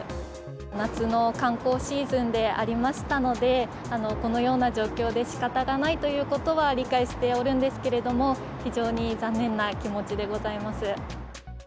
夏の観光シーズンでありましたので、このような状況でしかたがないということは理解しておるんですけれども、非常に残念な気持ちでございます。